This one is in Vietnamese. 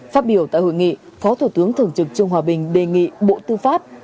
phát biểu tại hội nghị phó thủ tướng thường trực trương hòa bình đề nghị bộ tư pháp